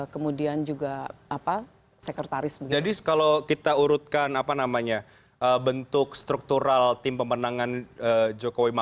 kemudian juga sekretaris beliau itu